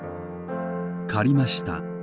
「借りました！